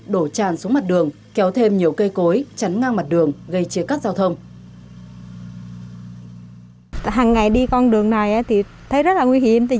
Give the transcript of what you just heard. đổ tràn xuống mặt đường kéo thêm nhiều cây cối chắn ngang mặt đường gây chia cắt giao thông